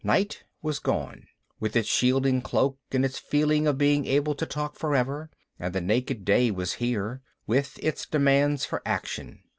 Night was gone, with its shielding cloak and its feeling of being able to talk forever, and the naked day was here, with its demands for action.